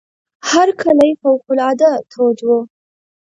هرکلی فوق العاده تود وو.